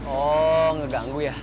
oh ngeganggu ya